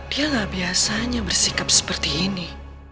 dia gak biasanya bersikap seperti ini